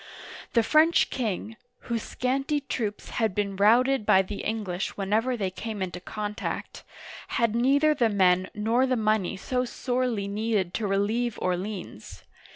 The French king, whose scanty troops had been routed by the English whenever they came into contact, had neither the men nor the money so sorely needed to relieve Orleans.